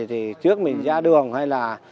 thì trước mình ra đường hay là